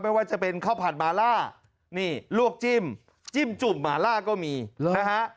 ไม่ว่าจะเป็นข้าวผัดมาล่านี่ลวกจิ้มจิ้มจุ่มหมาล่าก็มีนะฮะ